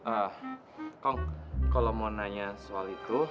ah kong kalau mau nanya soal itu